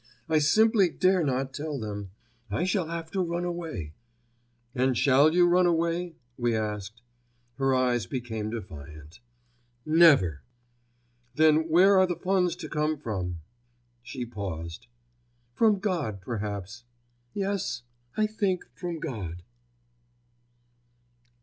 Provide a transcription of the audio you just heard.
I simply dare not tell them. I shall have to run away." "And shall you run away?" we asked. Her eyes became defiant. "Never." "Then where are the funds to come from?" She paused. "From God, perhaps. Yes, I think from God."